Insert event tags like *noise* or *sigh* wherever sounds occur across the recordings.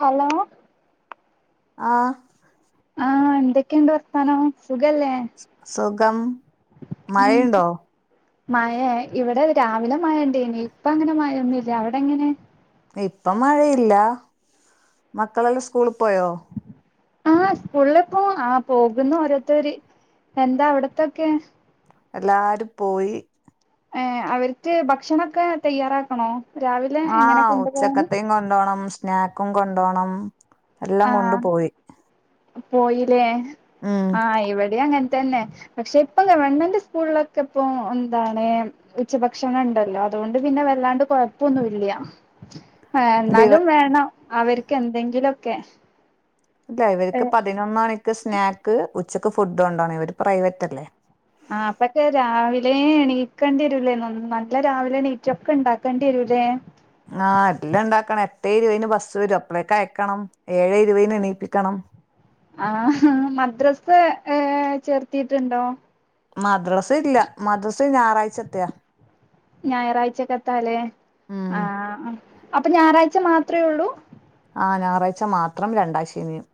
Hello ആഹ് ആഹ് എന്തൊക്കെയുണ്ട് വർത്താനം സുഖല്ലേ? സുഖം ഉം മഴയുണ്ടോ മഴ ഇവിടെ രാവിലെ മഴണ്ടേനി ഇപ്പ അങ്ങനെ മഴൊന്നുല്ല അവിടെങ്ങനെ? ഇപ്പ മഴയില്ല മക്കളെല്ലാം സ്കൂളിൽ പോയോ? ആഹ് സ്കൂളിലിപ്പോ ആ പോകുന്നു ഓരോരുത്തര് എന്താ അവിടത്തൊക്കെ? എല്ലാരും പോയി ഏ അവർക്ക് ഭക്ഷണൊക്കെ തയ്യാറാക്കണോ? രാവിലെ എങ്ങനെ ആഹ് കൊണ്ടുപോകാന് ഉച്ചക്കത്തീം കൊണ്ടോണം സ്നാക്കും കൊണ്ടോണം എല്ലാം കൊണ്ടു ആഹ് പോയി പോയിലേ ഉം ആഹ് ഇവിടേം അങ്ങന തന്നെ പക്ഷെ ഇപ്പം ഗവൺമെന്റ് സ്കൂളിലൊക്കെപ്പോ എന്താണ് ഉച്ചഭക്ഷണണ്ടല്ലോ അതുകൊണ്ട് പിന്നെ വല്ലാണ്ട് കൊഴപ്പൊന്നും ഇല്ല ആ ഇല്ല ഇവ എന്നാലും വേണം അവർക്ക് എന്തെങ്കിലൊക്കെ ഇല്ല ഇവർക്ക് പതിനൊന്ന് മണിക്ക് സ്നാക്ക് ഉച്ചക്ക് ഫുഡ് കൊണ്ടാണം ഇവര് പ്രൈവറ്റ് അല്ലേ ആ അപ്പൊക്കെ രാവിലേ എണീക്കേണ്ടി വരൂല്ലേ നല്ല രാവിലെ എണീറ്റൊക്കെണ്ടാക്കേണ്ടി വരു ലേ ആ എല്ലംണ്ടാക്കണം എട്ടേ ഇരുവേന് ബസ്സ് വരും അപ്പഴേക്ക അയക്കണം ഏഴ് ഇരുവേന് എണീപ്പിക്കണം ആ മദ്രസ് ഏ ചേർത്തീട്ടുണ്ടോ മദ്രസ് ഇല്ല മദ്രസ് ഞായറാഴ്ചത്തെയ ഞായറാഴ്ചക്കത്താലേ ഉം ആ അപ്പൊ ഞായറാഴ്ച മാത്രേ ഉള്ളൂ? ആ ഞായറാഴ്ച്ച മാത്രം രണ്ടാം ശെനിയും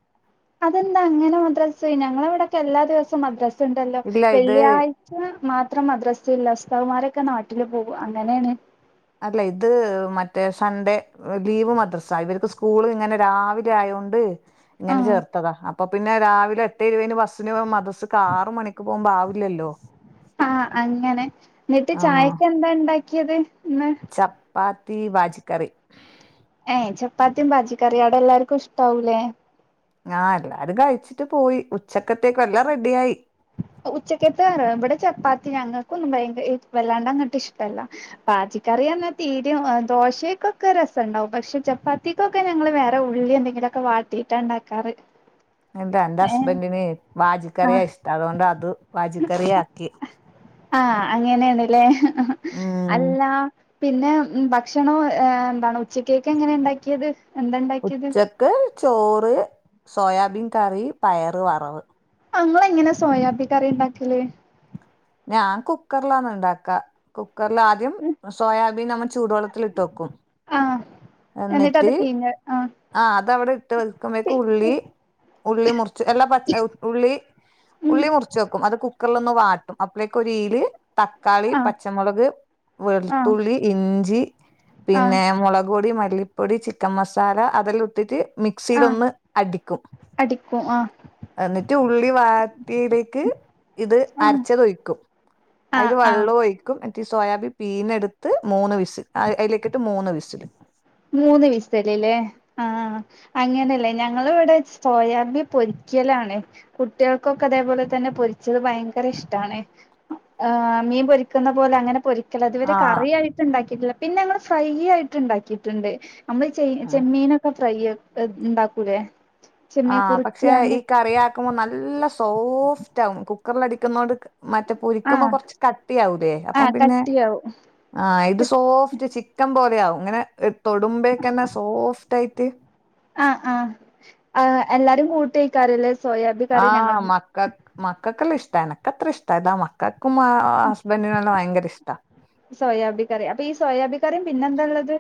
അതെന്താ അങ്ങനെ മദ്രാസ് ഞങ്ങളെവിടൊക്കെ എല്ലാ ദിവസവും മദ്രാസ് ണ്ടല്ലോ ഇല്ല ഇത് വെള്ളിയാഴ്ച മാ മാത്ര മദ്റസയില്ല ഉസ്താത്മാരൊക്കെ നാട്ടില് പോകും അങ്ങനെയാണ്. അല്ല. ഇത്, മറ്റേ സൺഡേ ലീവ് മദ്രസ ഇവർക്ക് സ്കൂൾ ഇങ്ങനെ രാവിലെ ആയേണ്ട്. ഇങ്ങനെ ആഹ് ചേർത്തതാ, അപ്പൊ പിന്നെ രാവിലെ എട്ടെ ഇരുവയിന്ന് ബസിന് മദ്റസക്ക് ആറ് മണിക്ക് പോകുമ്പേ ആവില്ലല്ലോ ആ. അങ്ങനെ, ന്നിട്ട് ആഹ് ചായക്കെന്താ ഇണ്ടാക്കിയത് ചപ്പാത്തി വാജിക്കറി ഏയ് ചപ്പാത്തിയും വാജിക്കറിയും അവിടെ എല്ലാർക്കും ഇഷ്ടാവൂലേ ആ എല്ലാരും കഴിച്ചിട്ട് പോയി, ഉച്ചക്കത്തേക്ക് എല്ലാം റെഡിയ ആയി. അതെ *inaudible* ഉച്ചക്കത്ത ഇവിടെ ചപ്പാത്തി ഞങ്ങൾക്കൊന്നും ഭയങ്കര വെല്ലാണ്ട അങ്ങെണ്ട് ഇഷ്ടല്ല വാജിക്കറി ക്ക്വന്നും തീരിം ദോശക്കൊക്കെ രസണ്ടാവും പക്ഷെ ചപ്പാത്തിക്കൊക്കെ ഞങ്ങൾ വേറെ ഉള്ളി എന്തെങ്കിലെക്കെ വാട്ടീട്ടാണ്ടാക്കാറ് എന്താ എന്റ ഹസ്ബൻന്റിന് ആഹ് വാജിക്കറിയാ ഇഷ് അതുകൊണ്ട് അത് വാജക്കറിയാ ക്കി ആ അങ്ങനെയണല്ലേ ഹ് ഹ് ഉം അല്ലാ. പിന്നെ ഭക്ഷണേ ഏ എന്താണ് ഉച്ചക്കേക്ക് എങ്ങനെ ഉണ്ടാക്കിയത് എന്താ ഉണ്ടാക്കിയത് ഉച്ചക്ക് ചോറ്, സോയാബീൻ കറി, പയറ് വറവ്, അമ്മള് എങ്ങനെ സോയാബി കറി ഉണ്ടാക്കല്. ഞാം കുക്കറിലാണ് ൺണ്ടാക്കാ കുക്കർല് ആദ്യം സോയാബീൻ നമ്മ ചുട് വള്ളത്തില്ട്ടെക്കും ആഹ് എന്നിട്ട് അത് പിഞ്ഞേ ആ് അതവിടെ ഇട്ട് വക്കുമ്പോഴേക്ക് ഉള്ളി ഉള്ളി മുറിച്ച് എല്ലാ പ ച്ച് ഉള്ളി ഉം ഉള്ളി മുറിച്ചെവെക്കും അത് കു കുക്കറിലൊന്ന് വാട്ടും അപ്പഴേക്കെരീര് തക്കാളി, ആഹ് പച്ചമുളക്, ആഹ് വെൾത്തുള്ളി, ഇഞ്ചി ആഹ് പിന്നെ മുളക്പൊടി, മല്ലിപ്പൊടി, ചിക്കൻ മസാല, അതെല്ലഉട്ടിട്ട് ആഹ് മിക്സിയിലൊന്ന് അടിക്കും അടിക്കും ആഹ് എന്നിട്ട് ഉള്ളി വാത്തിയിലേക്ക് ഇത് ആഹ് അര അയിൽ ആഹ് ആഹ് വെളളം ഒഴിക്കും ന്നിട്ട് സേയാബി പീഞെടുത്ത് മൂന്ന് വിസ് അതിലേക്കിട്ട് മൂന്ന് വിസില് മൂന്ന് വിസലല്ലേ ലേ. ആ അങ്ങനെല്ലേ ഞങ്ങളിവിടെ സേയാമ്പി പൊരി ച്ചലാണ് കുട്ടിയെൾകെക്കൊ ഇതേപോലെ തന്നെ പൊരിച്ചത് ഭയങ്കര ഇഷ്ടാണ് മ്മീം പൊരിക്കുന്ന പോലെ അങ്ങനെ പൊരി ഇതുവരെ ആഹ് കറി ആയിട്ട് ഉണ്ടാക്കിയിട്ടില്ല പിന്നെ ഞമ്മൾ ഫ്രൈ ആയിട്ട് ഉണ്ടാക്കിയിട്ടുണ്ട് നമ്മള് ചെയ് ആഹ് ചെമ്മീനൊക്കെ ഫ്രൈയ്യ് ൺ ഉണ്ടാക്കൂലേ ആ ചെമ്മീൻ പക്ഷെ കുറിക്കാണ്ട് ഈ കറിആക്കുമ്പോ നല്ല സോഫ്റ്റ് ആകും. കുക്കറൽല് അടിക്കുന്നേണ്ട് മറ്റേ പൊരിക്കുമ്പോ ആഹ് കൊറച്ച് കട്ടിയാവുല്ലേ അപ്പം ആഹ് പിന്നെ കട്ടിയാവും ആ ഇത് സോഫ്റ്റ് ചിക്കൻ പോലെയാവും അങ്ങനെ തൊടുമ്പൊക്കെന്നെ സോഫ്റ്റ് ആയിട്ട് ആ ആ ആ എല്ലാരും കൂട്ടെയിക്കാരല്ലേ ആ മക്കക്ക് മക്കക്കെല്ലാഇഷ്ടാണ് യനിക്കത്ര ഇഷ്ടായില മക്കക്ക് ക്കും ഹസ്ബൻ്റിനും ആ ഭയങ്കര ഇഷ്ടാ സോയാബി കറി അപ്പൊ ഈ സോയാബി കറിയും പിന്നെന്താള്ളത്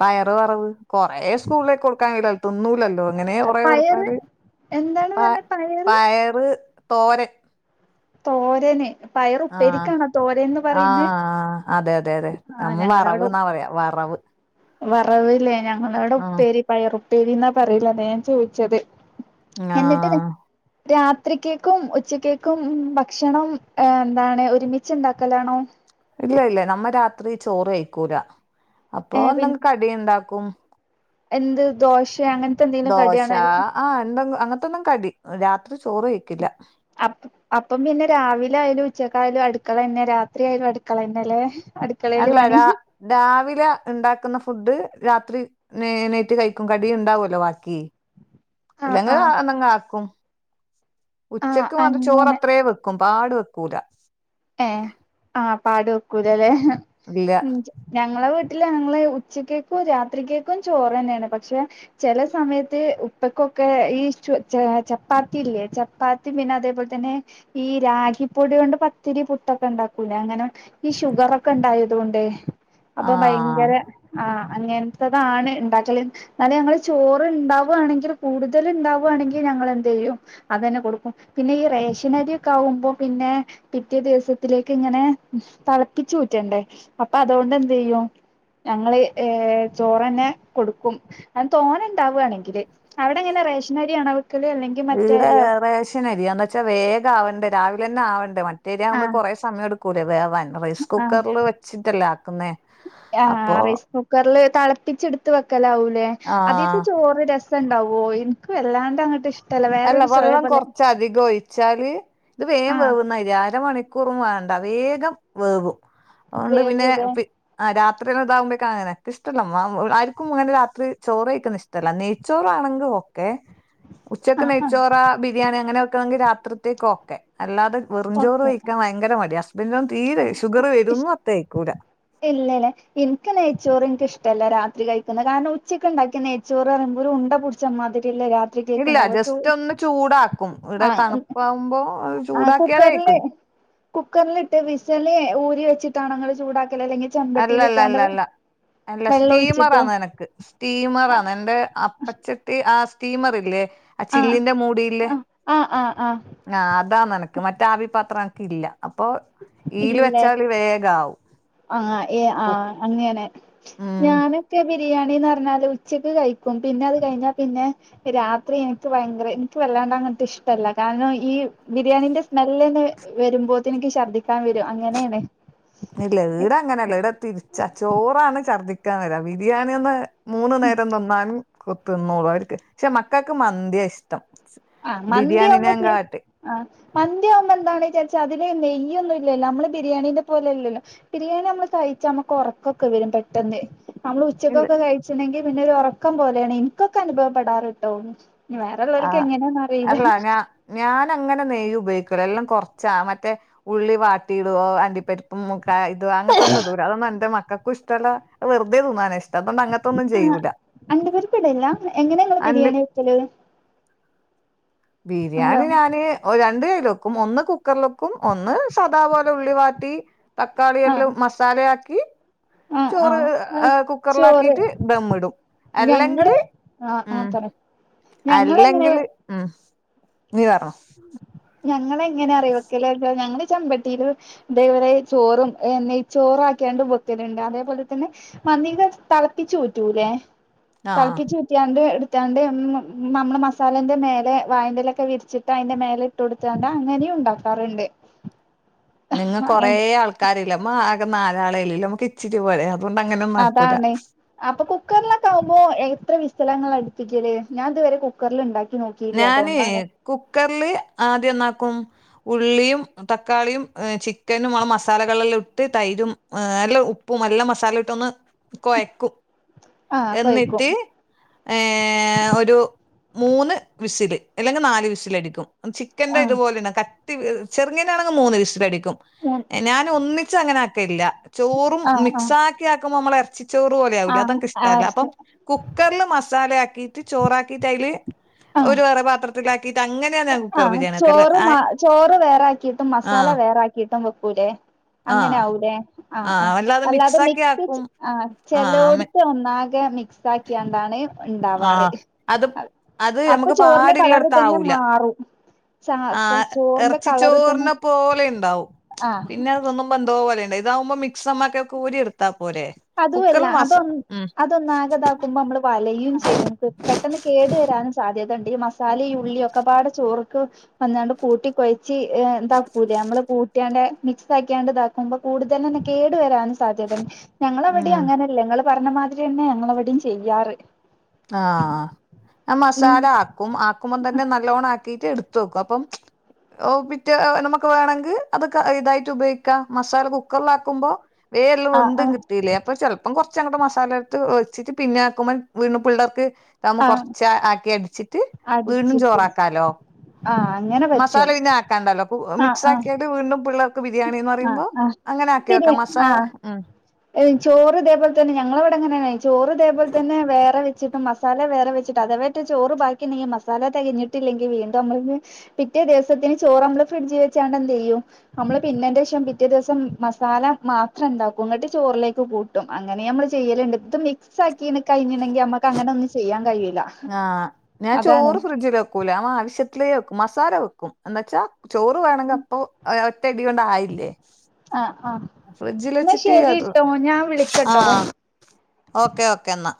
പയറ് വറവ്, കൊറെ സ്കൂളിലേക്ക് കൊടുക്കാൻ കഴി തിന്നൂലല്ലോ ഇങ്ങനെ കൊറെ പയറ് കൊർത്താല് എന്താണ് പ പറഞ്ഞെ പയറ് തോരൻ തോരന് ആഹ് പയറുപ്പേരിക്കാണോ തോരൻന്ന് പറയുന്ന് ആഹ് അതെ അതെ അതെ ആഹ് നമ്മ ഞങ്ങളവടെ ഉപ് വറവ്ന്നാ പറയാ വറവ് വറവില്ലേ ഞങ്ങളവിടെ ഉം ഉപ്പേരി പയർപ്പേരി എന്നാ പറയിലതാ ഞാൻ ചോദിച്ചത് എന്നിട്ട് ആഹ് രാത്രിക്കക്കും ഉച്ചക്കേക്കും ഉ ഭക്ഷണം എന്താണ് ഒരുമിച്ച ഉണ്ടാക്കലാണോ ഇല്ല ഇല്ല നമ്മ രാത്രി ചോറ് കഴിക്കൂല അപ്പൊ ഏഹ് പിൻ എന്തെങ്കും കടിയുണ്ടാക്കും എന്ത് ദോശ അങ്ങനത്തെ എന്തെങ്കിലും ദോശ കടിയാണോ അല്ലേ ആഹ് എന്ത അങ്ങനെ അതന്നും കടി രാത്രി ചോറ് വക്കില്ല അപ്പ അപ്പം പിന്നെ രാവിലെ ആയാലും ഉച്ചക്കായാലും അടുക്കള തന്നെ രാത്രിയാലും അടുക്കള തന്നെ അല്ലേ അല്ല രാ രാവിലെ ഉണ്ടാക്കുന്ന ഫുഡ് രാത്രി നേ നെയറ്റ് കഴിക്കും കടിയ ഉണ്ടാവല്ലോ ബാക്കി ആഹ് ഇല്ലെങ്കിൽ ആഹ് എന്നങ്ങ ആക്കും ആഹ് ഉച്ചക്ക് മാത്ര അങ്ങനെ ചോറ്ത്രയേ വെക്കും പാട് വെക്കൂല ഏ ആഹ് പാട് വെക്കൂലല്ലേഞ ഇല്ല ഞങ്ങളെ വീട്ടില് ഞങ്ങള് ഉച്ചക്കക്കും രാത്രിക്കക്കും ചോറ് തന്നെയാണ് പക്ഷെ ചെല സമയത്ത് ഇപ്പക്കൊക്കെ ഈ ചപ്പാത്തി ഇല്ലേ ചപ്പാത്തി പിന്നെ അതേപോലെ തന്നെ ഈ ക്കിപ്പൊടൊണ്ട് പത്തിരി പുട്ടൊക്കെ ഉണ്ടാക്കൂ ലെ അങ്ങനെ ഈ ഷുഗർ ഒക്കെ ഉണ്ടായത്കൊണ്ടേ അപ്പൊ ആഹ് ഭയങ്കര ആഹ് അങ്ങനത്തെതാണ് ഉണ്ടാക്കൽ എന്നാലും ഞങ്ങള് ചോറ് ഉണ്ടാവുകയാണെങ്കിൽ കൂടുതല് ഉണ്ടാവുകയാണെങ്കിൽ ഞങ്ങള് എന്ത് ചെയ്യും അത് തന്നെ കൊടുക്കും പിന്നെ ഈ റേഷനരിക്കെ ആകുമ്പോ പിന്നെ പിറ്റേ ദിവസത്തിലേക്ക് ഇങ്ങനെ തിളപ്പിച്ചു കൂറ്റണ്ടേ അപ്പൊ അതുകൊണ്ട് എന്ത് ചെയ്യും ഞങ്ങള് ഏ ചോറ്ന്നെ കൊടുക്കും അ തോനെ ഉണ്ടാവുകയാണെങ്കില് മറ്റേ ഇവിടെ അരിയോ ഏ റേശനരിയാന്ന് വെച്ചാ വേഗം ആവണ്ട രാവില തന്നെ ആവണ്ടേ മറ്റേര്യാവുമ്പോ ആഹ് കുറെേ സമയം എടുക്കൂലേ വേവാൻ റൈസ് ആഹ് കുക്കറിൽ വെച്ചിട്ടല്ല ആഹ് റൈസ് കുക്കറില് തിളപ്പിച്ചെടുത്ത് വെക്കലാവൂല്ലേ അതീത്തെ ആഹ് ചോറ് രസ ണ്ടാവോ എനി വല്ലാണ്ട് അങ്ങട്ട് ഇഷ്ടം അല്ല വെള്ളം കൊറച്ച് അധികം ഒഴിച്ചാല് ഇത് വേം ആഹ് വേവുന്ന അരി അരമണി റും വേണ്ട വേഗം വേവും അതുകൊണ്ട് പിന്നെ വേവൂലേ രാത് ഇതാകുമ്പഴേക്ക അങ്ങനെൊെ ഇഷ്ടമല്ല ആരിക്കും അങ്ങനെ രാത്രി ചോറ് കഴിക്കാൻ ഇഷ്ടല്ല ന്ച്ചോറാണെങ്കോ ഓക്കേ ഉച്ചക്ക് ആഹ് ആഹ് നെയ്ച്ചോറ ബിരിയാണി അങ്ങനെയൊക്കെണെങ്കിൽ രാത്രിത്തേക്ക് ഓക്കെ അല്ലാതെ വെറുംചോറ് ഓക്കെ കഴിക്കാൻ ഭയങ്കര മടിയാ ഹസ്ബൻഡനന്നും തീരെ ഷുഗർ വരുന്നു പറഞ്ഞ് ആയിക്കൂല ഇല്ലല്ല എനിക്ക് നെയ്ച്ചോറ് എനിക്ക് ഇഷ്ടമല്ല രാത്രി കഴിക്കുന്നത് കാരണം ഉച്ചക്ക് ഉണ്ടാക്കി നെയ്ച്ചോറ് പറയുമ്പോ ഉണ്ട പിടിച്ചമാതി ഇല്ല ജസ്റ്റ് ഒന്ന് ചൂടാക്കും ഇവിടെ തണുപ്പാവുമ്പോ ആ ചൂടാക്കിയാലേ കുക്കറില് കഴിക്കും കുക്കറിലിട്ട് വിസൽ ഊരി വെച്ചിട്ടാണ്ണങ്ങൾ ചൂടാക്കല് അല്ലെങ്കിൽ അല്ല അല്ല ചെമ്പട്ടിയിലിട്ടാണ്ട് അല്ല അല്ല അല്ല വെള്ളം സ്റ്റീമറ് ഒഴിച്ചിട്ടോ ആാണ് നിനക്ക് ആഹ് സ്റ്റീമറാണ് എന്റെ അപ്പച്ചട്ടി ആ സ്റ്റീമർ ഇല്ലേ ആ ആഹ് ചില്ലിന്റെ മൂടിയില്ലേ ആഹ് ആഹ് ആഹ് ആഹ് അതാ നിനക്ക് മറ്റ് ആവി പാത്രം ല്ല അപ്പൊ ഈൽ വെച്ചാല് വേഗവും ആ ആ അങ്ങെ ഉം ഞാനൊക്കെ യാണിന്ന് പറഞ്ഞാൽ ഉച്ചക്ക് കഴിക്കും വിന്നെ കഴിത്താൽ പിന്നെ രാത്രി എനിക്ക് ഭയങ്ക ങ്ങട്ട് ഇഷ്ടല്ല കാരണം ഈ ബിരിയാണിന്റെ സ്മെല്ന്ന് വരുമ്പോത്തെ എനിക്ക് ഛർദ്ദിക്കാൻ വരും അങ്ങനെയാണ് ഇല്ല ട അങ്ങനെയല്ല ഈട തിരിച്ച ച്ചോറാണ് ഛർദ്ദിക്കാൻ വരാ ബിരിയാണി ഒന്ന് മൂന്നു നേരം തിന്നാനും തിന്നുള്ളു അവർക്ക് പക്ഷെ മക്കൾക്ക് മന്തിയ ഇഷ്ടം ആ മന്തിമ്മ ബിരിയാണിനെ കാട്ടി ആ മന്തി അ യ്ന്എന്താണ് ചരി അതില് നെയ്യൊന്ന ഇല്ലോ നമ്മള് ബിരിയാണീ പോലല്ലല്ലോ ബിരിയാണി നമ്മള് കയ്ച്ച് നമുക്ക് ഉറക്കൊക്കെ വരും പെട്ടെന്ന് നമ്മൾ ഇല്ല ഉച്ചക്കൊക്കെ കഴിച്ചിട്ടുണ്ടെങ്കിൽ പിന്നെ ഒരു ഒറക്കം പോലെയാണ് എനിക്കൊക്കെ അനുഭവപ്പെടാറ് ട്ടോ ഇനി വേറെ ആഹ് അല്ല ഞാ ഞാൻ അങ്ങനെ നെയ്യ് ഉപയോഗിക്ക ക്കളെല്ലാം കൊറച്ചാ മറ്റേ ഉള്ളി വാട്ടിടും അണ്ടിപരിപ്പും മൂ ഇത് അങ്ങനത്തെന്നുംടുല അതൊന്നും എന്റെ മക്കക്ക് ഇഷ്ടല്ല വെറുതെ തിന്നാന ഇഷ്ടം പറ്റാത്തോണ്ട് അങ്ങത്തൊന്നും ആഹ് ചെയ്യൂല അണ്ടിപരിപ്പ് ഇടില്ല എങ്ങനെ ഇങ്ങള് അണ്ടി ബിരിയാണി വെക്കല് ഹലോ ബിരിയാണി ഞാന് ഒ രണ്ട കിലോ ഒന്ന് കുക്കറൽക്കും ഒന്ന് സദാപലെ ഉള്ളിവാട്ടി തക്കാളിയെല്ലാം ആഹ് മസാലയാക്കി ആഹ് ചോറ് ആഹ് ചോറ് കുക്കറിലാക്കിട്ട് ഡമ്മ ഇടും ഞങ്ങള് അല്ലെങ്കില് ആഹ് ആഹ് ഉം പറ ഞങ്ങളെങ്ങനെ അല്ലെങ്കില് ഉ നെയ് വേണോ ഞങ്ങളെ എങ്ങനെ അറിയെ വക്കല്ലോ ഞ ചെമ്പട്ടിൽ ഇതെ പോലെ ചോറും നെയ്ചോറും ആക്കിയാണ്ട് പൊക്കലണ്ട് അതേപോലെ തന്നെ ന്നിക ത്തളപ്പിച്ചു ഉറ്റൂല്ലേ ആഹ് തളപ്പി ചുറ്റിയാണ്ട് എടുത്താണ്ട് നമ്മള് മസാലേന്റെ മേലെ വായന്റെലൊക്കെ വിരിച്ചിട്ട് ട്ട് അയിന്റെ മേല ഇട്ട കൊടുത്തണ്ട അങ്ങനെയ ഉണ്ടാക്കാറുണ്ട് നിങ്ങ കൊറേ ആൾക്കാരില്ലമ്മ ആകെ നാലാളെല്ലല്ല നമ്മക്ക് ഇച്ചിരി പോരെ അതുകൊണ്ട് അങ്ങനൊന്നും ആക്കൂല അതാണ് അപ്പൊ കുക്കറിലൊക്കെ ആകുമ്പോ വിസലാനിങ്ങൾ അടുപ്പിക്കില്ലേ ഞാൻ ഇതുവരെ കുക്കറിൽ ഉണ്ടാക്കി ഞാന് കുക്കറില് ആദ്യം ന്ന ക്കും ഉള്ളിയും താകാളിയും ചിക്കനും മസാലകളെല്ലാം ഇട്ട് തൈരും ഹെ നല്ല ഉപ്പും നല്ല മസാല ഇട്ടന്ന് കൊയക്കും ആഹ് കൊഴക്കും എന്നിട്ട് ഏ ഒരു മൂന്ന് വിസില് അല്ലെങ്കിൽ നാല് വിസൽടിക്കും ചിക്കന്റെ ആഹ് ഇതുപോലെയ കട്ടി ചെറുങ്ങേനാണെങ്കിൽ മൂന്ന് വിസ്റ്റ് അടിക്കും ഞാന ഒന്നി ച്ച അങ്ങനെ അക്കലില്ല ചോറും ആഹ് ആഹ് ആഹ് മിക്സാക്കി അകുമ്പോ നമ്മൾ യർ ചോറ് പോലെ ആവൂല ആഹ് അക്ക് ഇഷ്ടമല്ല ആർച്ച് അപ്പം കുക്കറില് മസാല ആക്കിട്ട് ചോറാക്കിട്ട് അയ് ല് ഒരു വെറെപാത്രത്തിലാക്കിയിട്ട് അങ്ങന ആ ചോറ് ചോറ് വേറാക്കിയിട്ടും മസാല വേറാക്കിയിട്ടും വെക്കൂലേ അങ്ങനെ ആഹ് ആവൂല്ലേ ആ ആ ആഹ് വല്ലാതെ അല്ലാതെ മിക്സാക്കി മിക്സ് ആക്കും ആ ആഹ് ചെലടുത്ത് ഒന്ന ക്കെ മിക്സ് ആക്കിയണ്ടാണ് ആ അത് അത് അപ്പൊ നമുക്ക് ചോറിന്റെ പാട് കളറ് ള്ളടത്ത തന്നെ ആവൂല മാറും ചാ ആ ചോറിന്റെ ഇറച്ചി കളറ് തന്നെ ചോറിന പോലെ ഇണ്ടാവും ആഹ് പിന്നെ അതൊന്നും ബന്ധോ പോലെുണ്ട് ഇതാവുമ്പോ മിക്സ്മ്ക്കിയെ കൂരിഎടുത്ത അതും അല്ല അതൊ അതൊന്നാകതാക്കുമ്പോ നമ്മള് വലയും ചെയ്യും ചെയ്യ പെട്ടെന്ന് കേടു വരാനും സാധ്യതുണ്ട് ഈ മസാല ഉള്ളി ഒക്കെപാട് ചോറ്ക്ക് വന്നാണ്ട് കൂട്ടി കൊഴച്ച്ദാ കൂലെ നമ്മള് കൂട്ടാണ്ടെ മിക്സആ ക്യാ ണ്ട് ഇദാ മ്പോ കൂടുതന്നും കേട് വ ൻ സാധ്യതണ്ട് ഞങ്ങളവിടെയും ഉം അങ്ങനെല്ല ങ്ങങ്ങള് പറഞ്ഞ മാതിരി തന്നെ ഞങ്ങവിടെയും ചെയ്യാറ് ആ ഉം മസാല ആക്കും ആക്കുമ്പോം തന്നെ നല്ലോണ്ണം ആക്കീട്ട് എടു എത്തോക്കും അപ്പം ഒ പിറ്റ നമുക്ക് വേണമെങ്കിൽ അതൊക്കെ ഇതായിട്ട് ഉപയോഗിക്കാം മസാല കുക്കറിലാക്കുമ്പോ വേം എല്ലാം ആഹ് വേണ്തും ആഹ് കിട്ടില്ലേ അപ്പ ചിലപ്പം കൊറച്ചങ്ങടെ മസാല എടുത്ത് വച്ചിട്ട് പിന്നെ ആക്കുമ്പോ വീ പിള്ളേർക്ക് നമ്മ ആഹ് കൊറച്ച ആക്കി അടിച്ചിട്ട് വീടും അടിച്ചിട്ട് ചോറാക്കാലോ ആഹ് അങ്ങനെ മസാല പറ്റും ഇന്നെ ആക്കാണ്ടല്ലോ ഉ ആഹ് മിക്സ് ആഹ് ആക്കിയിട്ട് വീണ്ടും പിള്ളേർക്ക് ബിരിയാണി എന്ന് പറയുമ്പോ ആഹ് ആഹ് അങ്ങനെ ആക്കി ബിരി വക്കാം മസാല ആഹ് ഉം ചോറ് ഇതേപോല തന്നെ ഞങ്ങളെവിടെ ങ്ങനെയ ചോറ് ഇതേപോലെന്നെ വേറെ വെചിട്ട് മസാല വേറെ വെച്ചിട്ട് അഥേവേറ്റ ചോറ്ബാക്കിഇണ്ടങ്കിൽ മസാല തികഞ്ഞിട്ടില്ലങ്കൽ വീണ്ടുംമ്മ പിറ്റേ ദിവസത്തിന് ചോറ നള് ഫ്രിഡ്ജ് വെച്ചാണ്ട്ന്തന്ത് ചെയ്യും നമ്മള് പിന്നെന്റെ ശേഷം പിറ്റേ ദിവസം മസാല മാത്രം ഇണ്ടാക്കും എന്നിട്ട് ചോറിലേക്ക് കൂട്ടും അങ്ങനെ നമ്മ ചെയ്യലണ്ട് ത്ത് മിക്സ് കഴിഞ്ഞണെങ്കി അമ്മക്ക് അങ്ങനെ ഒന്നും ചെയ്യാൻ കഴിയില്ല ആഹ് അതാണ് ത്ത് *unintelligible* മസാല വെക്കും എന്താ വച്ചാ ചോറ് വേണമെങ്കിൽ അപ്പൊ ഒറ്റയടി കൊണ്ട ആയില്ലേ ആ ആ എന്നാ ഫ്രിഡ്ജിലചിട്ട അത ശരിട്ടോ ഞാൻ ആ വിളിക്കട്ടോ ഓക്കെ ഓക്കേ എന്നാ